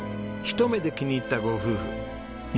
ひと目で気に入ったご夫婦。